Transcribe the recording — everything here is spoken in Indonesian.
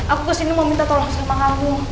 aku kesini mau minta tolong sama kamu